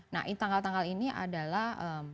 nah tanggal tanggal ini adalah